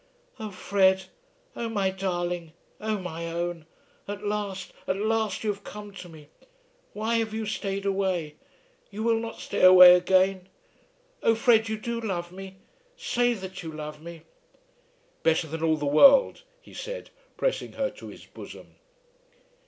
"Oh, Fred, oh, my darling, oh, my own one. At last, at last you have come to me. Why have you stayed away? You will not stay away again? Oh, Fred, you do love me? Say that you love me." "Better than all the world," he said pressing her to his bosom.